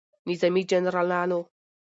نظامي جنرالانو